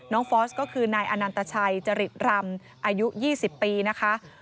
ฟอสก็คือนายอนันตชัยจริตรำอายุ๒๐ปีนะคะ